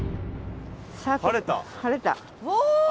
お！